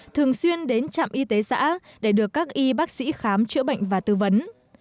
thường xuyên đến trạm y tế xã để được các y bác sĩ khám chữa bệnh và tư vấn